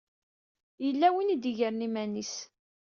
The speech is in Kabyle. Yella win i d-igren iman-is.